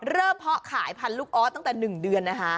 เริ่มพ่อขายพันธุ์ลูกออสตั้งแต่๑เดือน